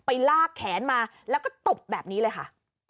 ลากแขนมาแล้วก็ตบแบบนี้เลยค่ะ